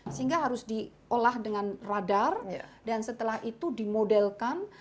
sehingga harus diolah dengan radar dan setelah itu dimodelkan